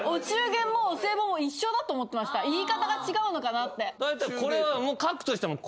言い方が違うのかなって。